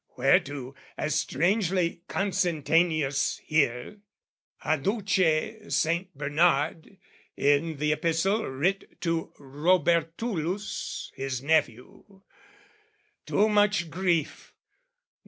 Whereto, as strangely consentaneous here, Adduce Saint Bernard in the Epistle writ To Robertulus, his nephew: Too much grief.